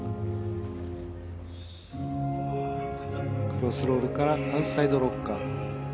クロスロールからアウトサイドロッカー。